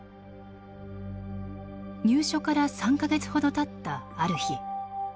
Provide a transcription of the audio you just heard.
入所から３か月程たったある日。